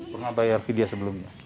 pernah bayar vidya sebelumnya